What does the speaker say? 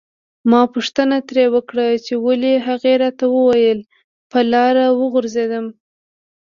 ما پوښتنه ترې وکړه چې ولې هغې راته وویل په لاره وغورځیدم.